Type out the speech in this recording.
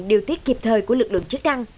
điều tiết kịp thời của lực lượng chức năng